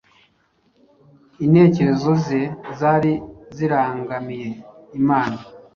Intekerezo ze zari zirangamiye Imana